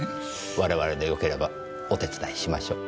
我々でよければお手伝いしましょう。